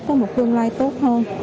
có một tương lai tốt hơn